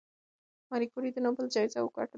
ماري کوري د نوبل جایزه وګټله؟